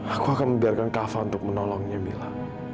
aku akan membiarkan kava untuk menolongnya mila